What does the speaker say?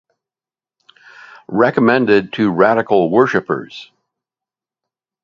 Recommended to radical worshippers.